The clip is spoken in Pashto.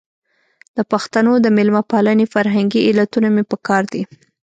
د پښتنو د مېلمه پالنې فرهنګي علتونه مې په کار دي.